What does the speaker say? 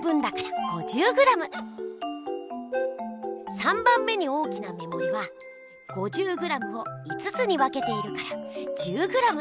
３番目に大きなめもりは５０ｇを５つにわけているから１０ｇ。